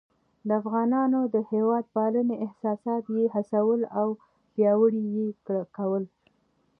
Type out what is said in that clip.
د افغانانو د هیواد پالنې احساسات یې هڅول او پیاوړي یې کول.